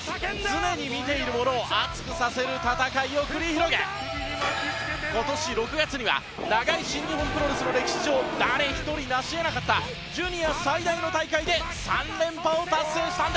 常に見ている者を熱くさせる戦いを繰り広げ今年６月には長い新日本プロレスの歴史上誰一人成し得なかったジュニア最大の大会で３連覇を達成したんです。